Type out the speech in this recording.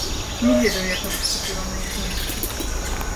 Не ведаю, як бы паступіла на іх месцы.